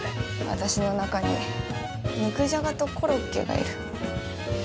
私の中に肉じゃがとコロッケがいる。